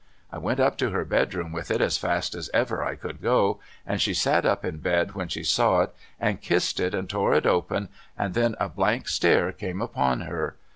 I went up to her bedroom with it as fast as ever I could go, and she sat up in bed when she saw it and kissed it and tore it open and then a blank stare came upon her.